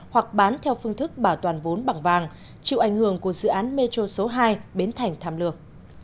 hoặc bán theo phương thức bảo toàn vốn bằng vàng chịu ảnh hưởng của dự án metro số hai biến thành tham lương